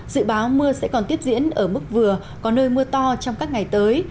dự báo mưa sẽ còn tiếp diễn ở mức vừa có nơi mưa to trong các ngày tới